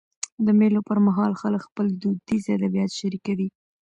د مېلو پر مهال خلک خپل دودیز ادبیات شريکوي.